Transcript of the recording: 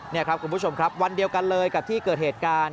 นี่ครับคุณผู้ชมครับวันเดียวกันเลยกับที่เกิดเหตุการณ์